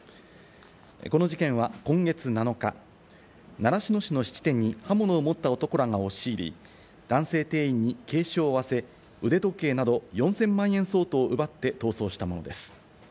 この事件は今月７日、習志野市の質店に刃物を持った男らが押し入り、男性店員に軽傷を負わせ、腕時計など４０００万円相当を奪って逃走したものです。